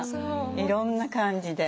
いろんな感じで。